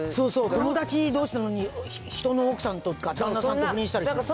友達どうしなのに人の奥さんとか、旦那さんと不倫したり。